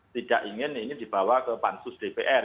tidak ingin ini dibawa ke pansus dpr